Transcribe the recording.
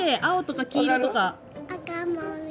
青とか黄色とか。